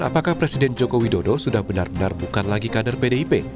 apakah presiden joko widodo sudah benar benar bukan lagi kader pdip